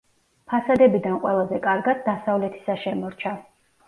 ფასადებიდან ყველაზე კარგად დასავლეთისა შემორჩა.